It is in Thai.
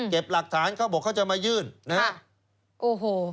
เก็บหลักฐานเขาบอกเขาจะมายื่นนะฮะ